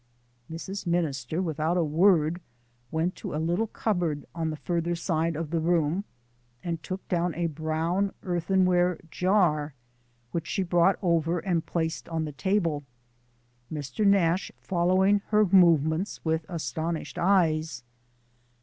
Mrs. Minister, without a word, went to a little cupboard on the farther side of the room and took down a brown earthenware jar, which she brought over and placed on the table, Mr. Nash following her movements with astonished eyes.